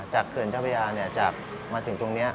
จากเขื่อนเจ้าพระยามาถึงตรงนี้